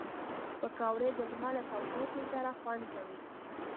پکورې د لمر له تودوخې سره خوند کوي